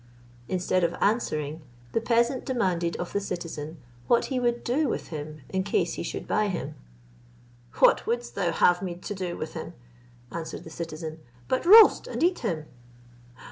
Instead of answering, the peasant demanded of the citizen what he would do with him in case he should buy him? "What wouldst thou have me to do with him," answered the citizen, "but roast and eat him?"